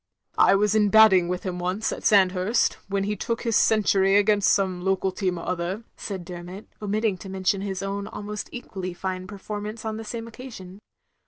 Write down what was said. "I was in, batting, with him once, at Sand hurst, when he took his century against some local team or other, " said Dermot, omitting to mention his own almost equally fine performance on the same occasion.